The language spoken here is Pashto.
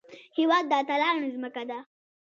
هېواد د اتلانو ځمکه ده